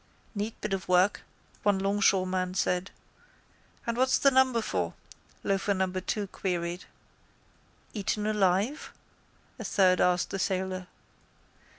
—Neat bit of work, one longshoreman said. —And what's the number for? loafer number two queried. —Eaten alive? a third asked the sailor.